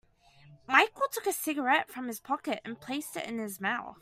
Michael took a cigarette from his pocket and placed it in his mouth.